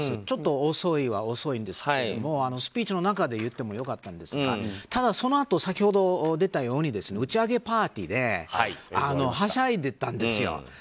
ちょっと遅いは遅いんですがスピーチの中で言ってもよかったんですがただ、そのあと先ほど出たように打ち上げパーティーではしゃいでいたんですよ。